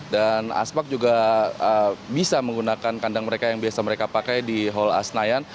dan aspak juga bisa menggunakan kandang mereka yang biasa mereka pakai di hall asnayan